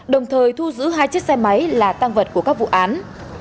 đồng thời thu giữ hai chiếc xe máy là tăng vật của các vụ án